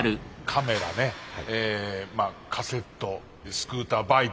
カメラねカセットスクーターバイク